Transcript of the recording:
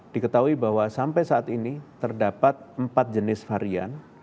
diketahui bahwa sampai saat ini terdapat empat jenis varian